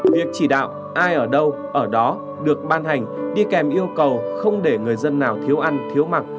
việc chỉ đạo ai ở đâu ở đó được ban hành đi kèm yêu cầu không để người dân nào thiếu ăn thiếu mặc